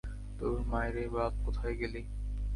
তোর মাইরে বাপ কোথায় গেলি?